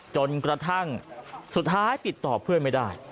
จนกระทั่งสุดท้ายติดต่อเพื่อนไม่ได้